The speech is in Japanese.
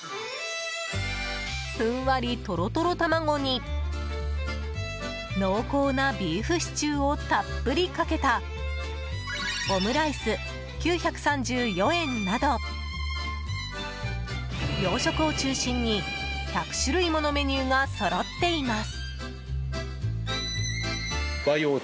ふんわりとろとろ卵に濃厚なビーフシチューをたっぷりかけたオムライス、９３４円など洋食を中心に、１００種類ものメニューがそろっています。